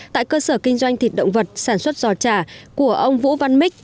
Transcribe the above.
tại cơ sở kinh doanh thịt động vật sản xuất giò trà của ông vũ văn mích